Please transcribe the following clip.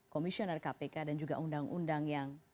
komisioner kpk dan juga undang undang yang